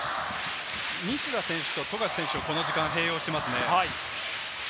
西田選手と富樫選手、この時間併用していますね。